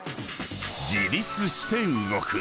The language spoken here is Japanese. ［自立して動く。